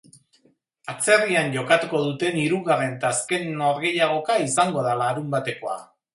Atzerrian jokatuko duten hirugarren eta azken norgehiagoka izango da larunbatekoa.